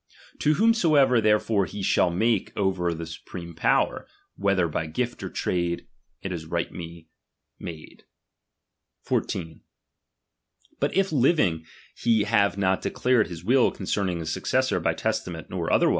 To whomsoever therefore I he shall make over the supreme power, whether i by gift or sale, it is rightly made. 14. But if living he have not declared his will Am™"'^'' concerning his successor by testament nor other uJiUununi.